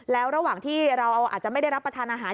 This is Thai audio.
แล้วระหว่างที่เราอาจจะไม่ได้รับประทานอาหาร